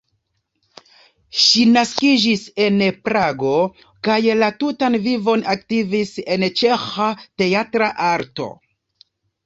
Ŝi naskiĝis en Prago kaj la tutan vivon aktivis en ĉeĥa teatra arto.